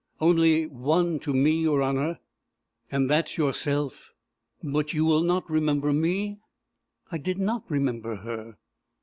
"Only one to me, your honour; and that's yourself. But you will not remember me?" I did not remember her.